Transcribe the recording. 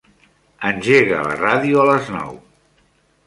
Engega la ràdio a les nou.